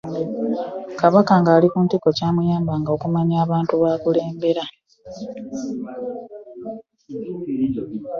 Kabaka ng'ali ku ntikko kyamuyambaga okumanya obungi bw'abantu b'akulembera.